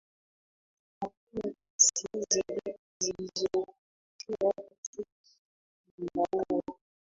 hakuna kesi zilizoripotiwa katika mkataba huo